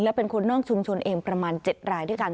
และเป็นคนนอกชุมชนเองประมาณ๗รายด้วยกัน